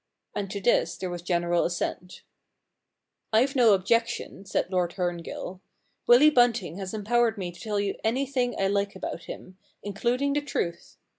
And to this there was general assent, 228 The Pig Keeper's Problem * Fve no objection/ said Lord Herngill. * Willy Bunting has empowered me to tell you anything I like about him, including the truth.